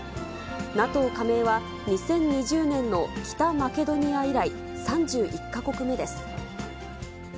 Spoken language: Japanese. ＮＡＴＯ加盟は、２０２０年の北マケドニア以来、３１か国目です。